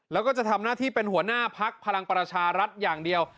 แล้วก็จะทำหน้าที่เป็นหัวหน้าพักพลังประชารัฐอย่างเดียว